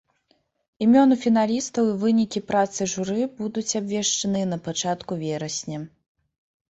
Імёны фіналістаў і вынікі працы журы будуць абвешчаныя на пачатку верасня.